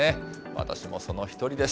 私もその１人です。